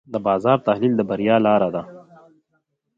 د بازار تحلیل د بریا لاره ده.